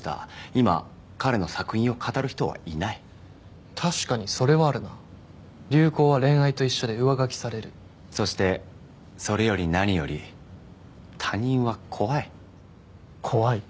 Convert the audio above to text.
今彼の作品を語る人はいない確かにそれはあるな流行は恋愛と一緒で上書きされるそしてそれより何より他人は怖い怖い？